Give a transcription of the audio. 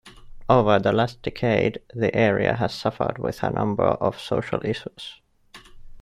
Over the last decade, the area has suffered with a number of social issues.